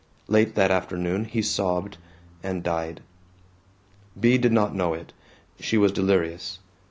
Late that afternoon he sobbed, and died. Bea did not know it. She was delirious.